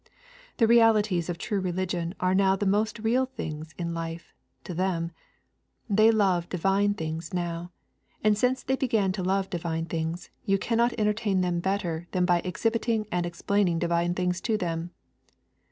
The realities of true religion are now the most real things in life to them; they love divine things now; and since they began to love divine things, you cannot entertain them better than by exhibiting and explaining divine things to them.